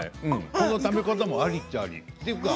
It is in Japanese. この食べ方もありっちゃあり。